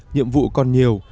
nhiệm vụ còn nhiều